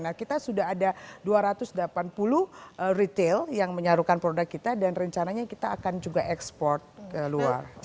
nah kita sudah ada dua ratus delapan puluh retail yang menyaruhkan produk kita dan rencananya kita akan juga ekspor ke luar